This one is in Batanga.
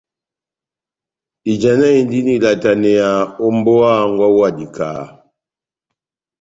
Ijanahindini ilataneya ó mbówa hángwɛ wawu wa dikaha.